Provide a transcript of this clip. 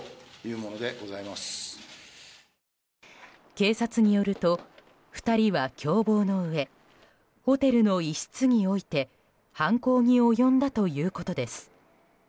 警察によると２人は共謀のうえホテルの一室において犯行に及んだということです。